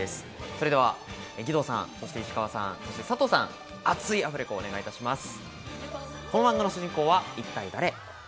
それでは義堂さん、石川さん、そして佐藤さん、熱いアフレコお願いいたします。